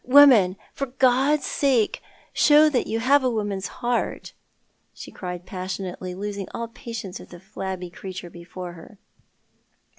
"Woman, for God's sake, show that you have a woman's heart," she cried passionately, losing all patience with the flabby creature before her.